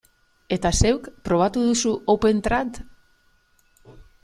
Eta zeuk, probatu duzu OpenTrad?